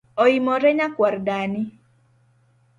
Oimore nyakuar dani